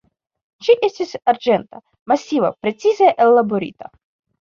Ĝi estis arĝenta, masiva, precize ellaborita.